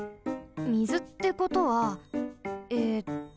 みずってことはえっと